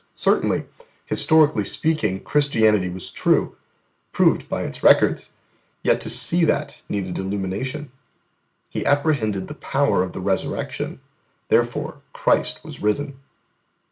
Certainly, historically speaking, Christianity was true proved by its records yet to see that needed illumination. He apprehended the power of the Resurrection, therefore Christ was risen.